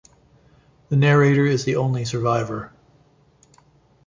The narrator is the only survivor.